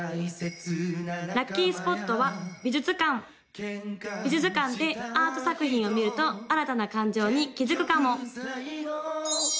・ラッキースポットは美術館美術館でアート作品を見ると新たな感情に気づくかも！